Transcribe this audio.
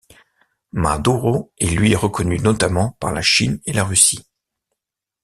Maduro est lui reconnu notamment par la Chine et la Russie.